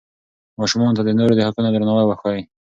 ماشومانو ته د نورو د حقونو درناوی وښایئ.